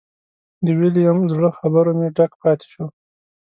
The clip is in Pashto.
د ویلیم زړه خبرو مې ډک پاتې شو.